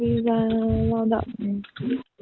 vâng cái visa lao động gì cần nữa gì hả chị